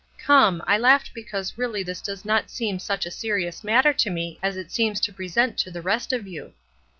Come, I laughed because really this does not seem such a serious matter to me as it seems to present to the rest of you.